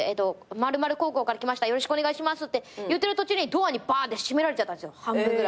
「○○高校から来ましたよろしくお願いします」って言ってる途中にドアにバーンって閉められちゃった半分ぐらい。